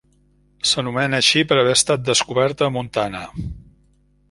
S'anomena així per haver estat descoberta a Montana.